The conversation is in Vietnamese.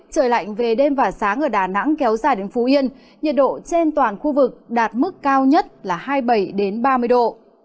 trời lạnh về đêm và sáng ở đà nẵng kéo dài đến phú yên nhiệt độ trên toàn khu vực đạt mức cao nhất là hai mươi bảy ba mươi độ